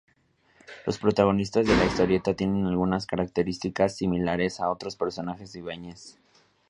Los protagonistas de la historieta tienen algunas características similares a otros personajes de Ibáñez.